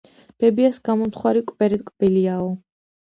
ბებიას გამომცხვარი კვერი ტკბილიაო